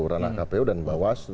ranah kpu dan bawas